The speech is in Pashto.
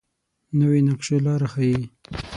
نوې نقشه لاره ښيي